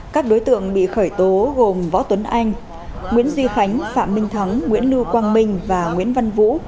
các đối tượng bị khởi tố gồm võ tuấn anh nguyễn duy khánh phạm minh thắng nguyễn lưu quang minh và nguyễn văn vũ